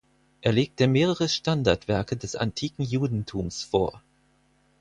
Er legte mehrere Standardwerke des antiken Judentums vor.